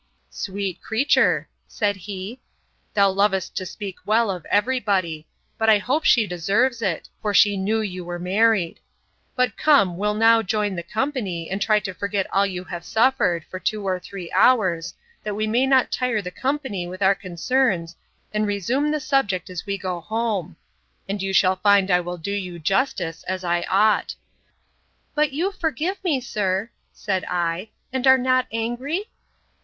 Sweet creature! said he, thou lovest to speak well of every body; but I hope she deserves it; for she knew you were married.—But come, we'll now join the company, and try to forget all you have suffered, for two or three hours, that we may not tire the company with our concerns and resume the subject as we go home: and you shall find I will do you justice, as I ought. But you forgive me, sir, said I, and are not angry?